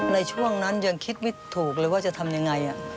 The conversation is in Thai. ในช่วงนั้นยังคิดวิทย์ถูกเลยว่าจะทำอย่างไร